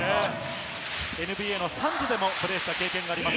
ＮＢＡのサンズでもプレーした経験があります